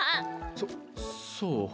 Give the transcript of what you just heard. そそう。